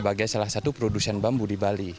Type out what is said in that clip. sebagai salah satu produsen bambu di bali